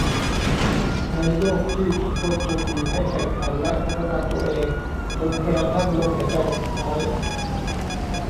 ในโลกที่ทุกคนถูกบีบให้แข่งขันและพัฒนาตัวเองจนกระทั่งลมหายใจสุดท้าย